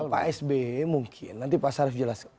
pak sb mungkin nanti pak sarif jelas